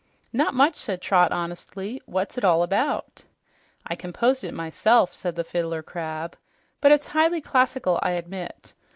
"Not much," said Trot honestly. "What's it all about?" "I composed it myself!" said the Fiddler Crab. "But it's highly classical, I admit.